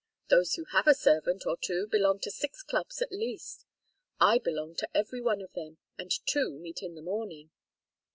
Those who have a servant or two belong to six clubs at least. I belong to every one of them, and two meet in the morning."